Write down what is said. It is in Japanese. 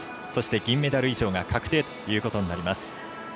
銀メダル以上が確定ということになります。